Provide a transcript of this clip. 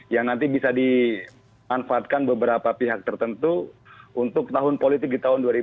yang nanti bisa dimanfaatkan beberapa pihak tertentu untuk tahun politik di tahun dua ribu dua puluh